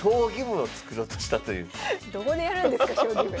どこでやるんですか将棋部。